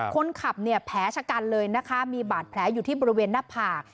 คนขับเนี่ยแผลชะกันเลยนะคะมีบาดแผลอยู่ที่บริเวณหน้าผาก